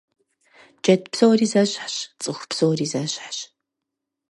Джэд псори зэщхьщ, цӀыху псори зэщхьщ.